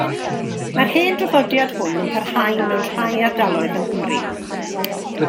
Mae'r hen draddodiad hwn yn parhau mewn rhai ardaloedd yng Nghymru.